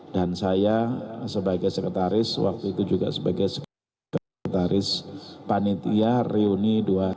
dan saya sebagai sekretaris waktu itu juga sebagai sekretaris panitia reuni dua